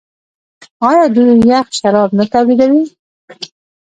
آیا دوی یخ شراب نه تولیدوي؟